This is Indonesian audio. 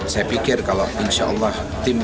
saya pikir kalau insya allah tim